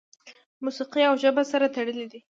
موسیقي او ژبه سره تړلي دي.